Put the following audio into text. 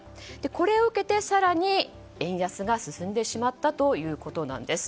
これを受けて、更に円安が進んでしまったということです。